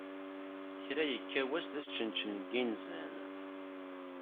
Kra yekka wass d asčenčen, n yinzan.